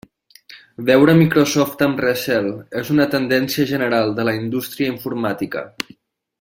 Veure Microsoft amb recel és una tendència general de la indústria informàtica.